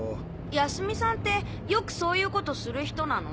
泰美さんってよくそういうことする人なの？